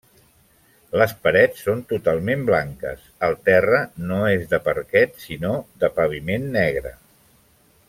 Les parets són totalment blanques, el terra no és de parquet, sinó de paviment negre.